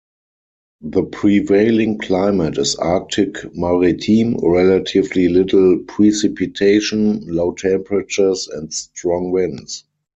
The prevailing climate is arctic-maritime; relatively little precipitation, low temperatures, and strong winds.